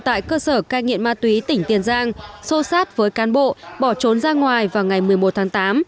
tại cơ sở cai nghiện ma túy tỉnh tiền giang xô sát với cán bộ bỏ trốn ra ngoài vào ngày một mươi một tháng tám